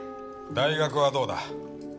大学はどうだ？